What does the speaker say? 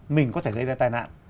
mình có thể gây ra tai nạn